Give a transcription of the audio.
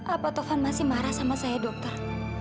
apa tovan masih marah sama saya dokter